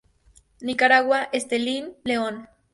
Nicaragua: Estelí, León.